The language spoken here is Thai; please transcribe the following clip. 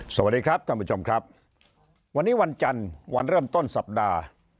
สวัสดีครับท่านผู้ชมครับวันนี้วันจันทร์วันเริ่มต้นสัปดาห์